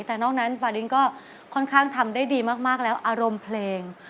แต่นอกนั้นฟารินก็ค่อนข้างทำได้ดีมากแล้วอารมณ์เพลง